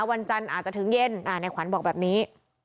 วันจันทร์อาจจะถึงเย็นในขวัญบอกแบบนี้